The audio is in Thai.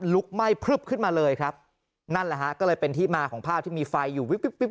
ลุกไหม้พลึบขึ้นมาเลยครับนั่นแหละฮะก็เลยเป็นที่มาของภาพที่มีไฟอยู่วิบวิบ